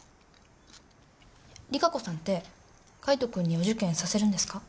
利華子さんって海斗君にお受験させるんですか？